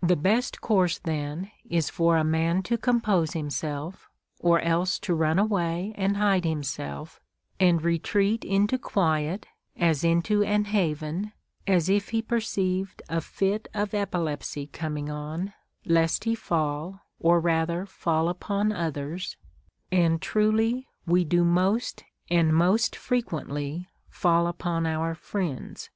The best course then is for a man to compose himself, or else to run away and hide himself and retreat into quiet, as into an haven, as if he perceived a flt of epilepsy com ing on, lest he fall, or rather fall upon others ; and truly we do most and most frequently fall upon our friends.